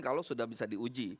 kalau sudah bisa diuji